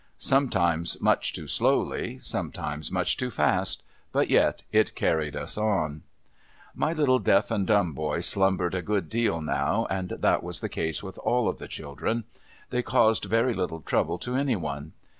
Sometimes much too slowly ; sometimes much too fast, but yet it carried us on. 170 PKRILS Ul' CERTAIN ENGLISH PklSONEkS My little deaf and dumb boy slumbered a good deal now, and that was the case with all the children. 'I'hey caused very little trouble to any one.